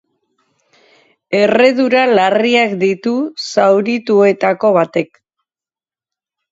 Erredura larriak ditu zaurituetako batek.